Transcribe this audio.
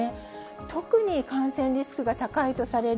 特に感染リスクが高いとされる